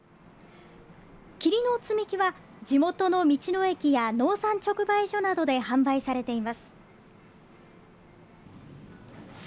桐の積み木は、地元の道の駅や農産直売所などで販売されています。